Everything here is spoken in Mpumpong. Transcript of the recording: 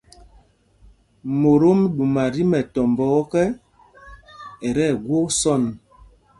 Motom ɗuma tí mɛtɔmbɔ ɔkɛ, ɛ tí ɛgwok sɔ̂n.